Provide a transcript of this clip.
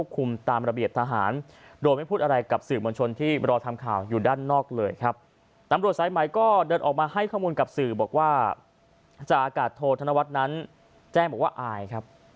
ก็เดินออกมาให้ข้อมูลกับสื่อบอกว่าจากอากาศโทษธนวัตนั้นแจ้งบอกว่าอายครับ